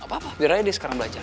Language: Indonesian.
gapapa biar aja dia sekarang belajar